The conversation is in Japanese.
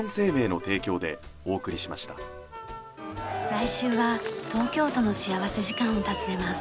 来週は東京都の幸福時間を訪ねます。